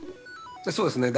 そうですね。